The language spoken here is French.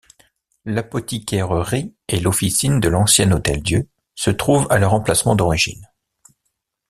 L'apothicairerie et l'officine de l'ancien hôtel-Dieu se trouvent à leur emplacement d'origine.